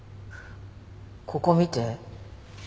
ここ見て。